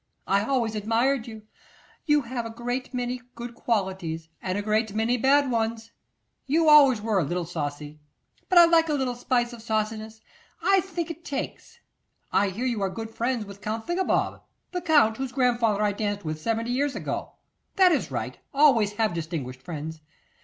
I always admired you; you have a great many good qualities and a great many bad ones. You always were a little saucy. But I like a little spice of sauciness; I think it takes. I hear you are great friends with Count Thingabob; the Count, whose grandfather I danced with seventy years ago. That is right; always have distinguished friends.